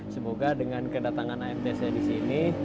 semoga dengan kedatangan amtc di sini